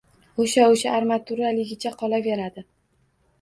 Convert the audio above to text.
Oʻsha-oʻsha armaturaligicha qolaveradi